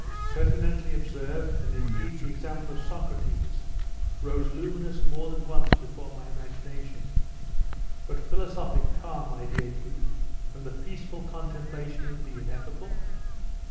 'Pertinently observed: and indeed the example of Socrates rose luminous more than once before my imagination. But philosophic calm, my dear youth, and the peaceful contemplation of the ineffable?